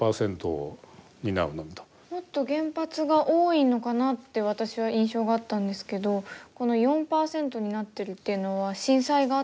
もっと原発が多いのかなって私は印象があったんですけどこの４％になってるっていうのは震災があったことが大きいんですか？